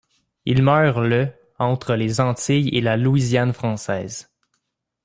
Il meurt le entre les Antilles et la Louisiane française.